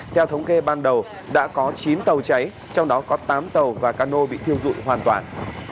theo thống kê ban đầu đã có chín tàu cháy trong đó có tám tàu và cano bị thiêu dụi hoàn toàn